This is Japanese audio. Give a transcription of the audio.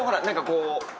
何かこう。